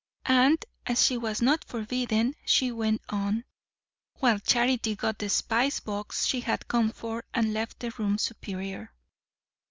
And as she was not forbidden, she went on; while Charity got the spice box she had come for, and left the room superior.